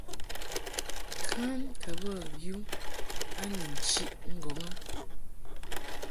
Kan bə yum a ni nchiʼ ŋgɔŋ a.